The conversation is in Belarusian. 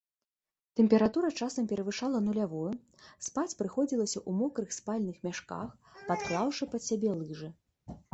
Тэмпература часам перавышала нулявую, спаць прыходзілася ў мокрых спальных мяшках, падклаўшы пад сябе лыжы.